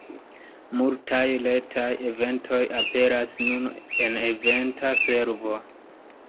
Multaj retaj eventoj aperas nun en Eventa Servo.